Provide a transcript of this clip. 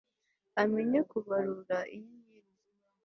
amenya kubarura inyenyeri zibaho